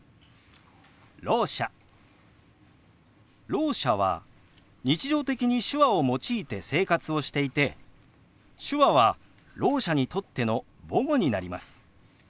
ろう者は日常的に手話を用いて生活をしていて手話はろう者にとっての母語になります。